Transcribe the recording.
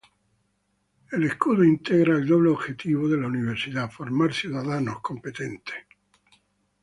El escudo integra el doble objetivo de la universidad, formar ciudadanos competentes y cristianos.